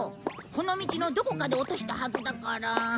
この道のどこかで落としたはずだから。